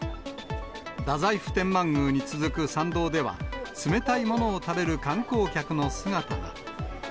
太宰府天満宮に続く参道では、冷たいものを食べる観光客の姿が。